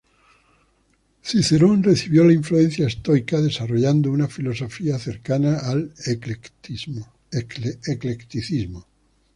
Cicerón recibió la influencia estoica, desarrollando una filosofía cercana al eclecticismo.